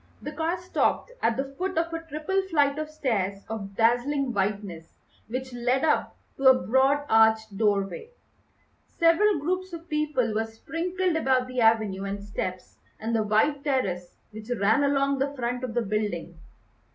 The car stopped at the foot of a triple flight of stairs of dazzling whiteness which led up to a broad arched doorway. Several groups of people were sprinkled about the avenue and steps and the wide terrace which ran along the front of the building.